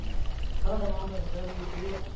体のあんばいもだいぶええようなし。